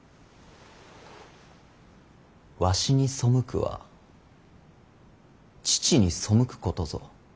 わしに背くは父に背くことぞ。